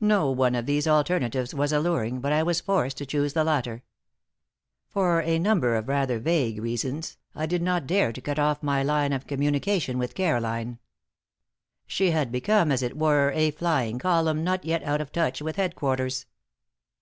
No one of these alternatives was alluring, but I was forced to choose the latter. For a number of rather vague reasons, I did not dare to cut off my line of communication with Caroline. She had become, as it were, a flying column not yet out of touch with headquarters.